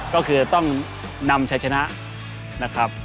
ก็คือต้องนำชัยชนะนะครับ